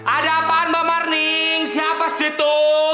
ada apaan mbak marni siapa sih itu